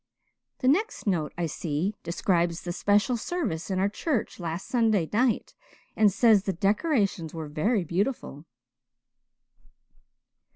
The next note, I see, describes the special service in our church last Sunday night and says the decorations were very beautiful."